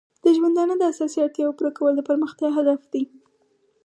د ژوندانه د اساسي اړتیاو پوره کول د پرمختیا هدف دی.